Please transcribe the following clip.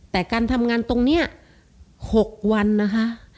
แต่การทำงานตรงนี้๖วันนะคะ